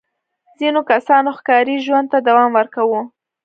ځینو کسانو ښکاري ژوند ته دوام ورکاوه.